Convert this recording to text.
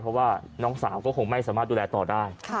เพราะว่าน้องสาวก็คงไม่สามารถดูแลต่อได้